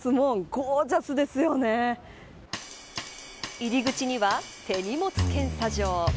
入り口には手荷物検査場。